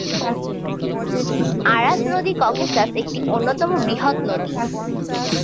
আরাস নদী ককেসাস একটি অন্যতম বৃহৎ নদী।